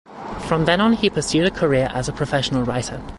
From then on he pursued a career as a professional writer.